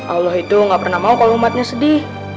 allah itu enggak pernah mau kalo umatnya sedih